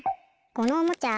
このおもちゃ